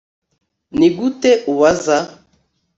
Nigute ubaza